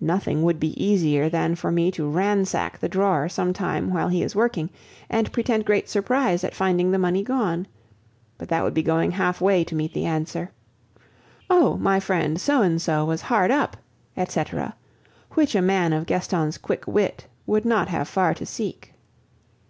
Nothing would be easier than for me to ransack the drawer sometime while he is working and pretend great surprise at finding the money gone. But that would be going half way to meet the answer, "Oh! my friend So and So was hard up!" etc., which a man of Gaston's quick wit would not have far to seek.